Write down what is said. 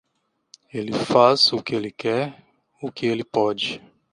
Ele faz o que ele quer, o que ele pode.